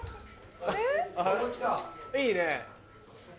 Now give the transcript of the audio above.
いいね。